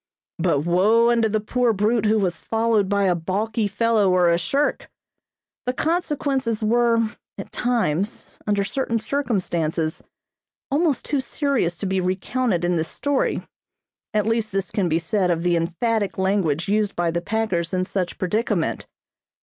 But woe unto the poor brute who was followed by a balky fellow or a shirk! The consequences were, at times, under certain circumstances, almost too serious to be recounted in this story, at least this can be said of the emphatic language used by the packers in such predicament.